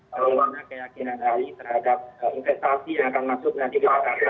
bagaimana keyakinan ahli terhadap investasi yang akan masuk nanti ke jakarta